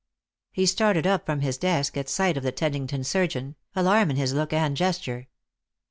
He started up from his desk at sight of the Teddington 6urgeon, alarm in his look and gesture.